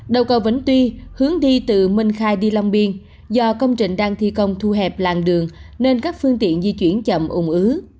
đầu cầu vĩnh tuy hướng đi từ minh khai đi long biên do công trình đang thi công thu hẹp làng đường nên các phương tiện di chuyển chậm ủng ứ